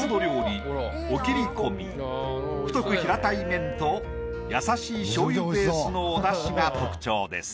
太く平たい麺と優しいしょうゆベースのおダシが特徴です。